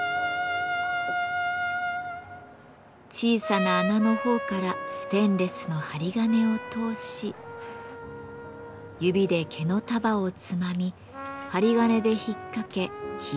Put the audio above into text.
小さな穴のほうからステンレスの針金を通し指で毛の束をつまみ針金で引っかけ引っ張って留める。